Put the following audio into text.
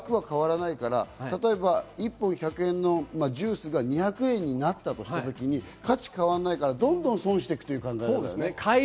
銀行に入れていたら額は変わらないから、例えば１本１００円のジュースが２００円になったとしたときに、価値が変わらないから、どんどん損していく。